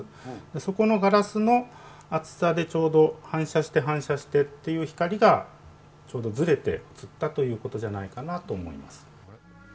そこのガラスの厚さで、ちょうど反射して、反射してっていう光が、ちょうどずれて写ったということじゃないかなと思います。